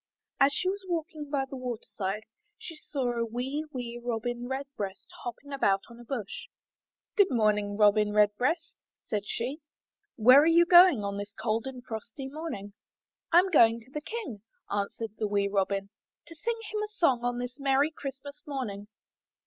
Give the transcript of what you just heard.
As she was walking by the water side, she saw a wee, wee Robin Redbreast hopping about on a bush. ''Good morning, Robin Redbreast," said she, "Where are you going on this cold and frosty morning?" 'Tm going to the King," answered the wee Robin, to sing him a song on this merry Christmas morning."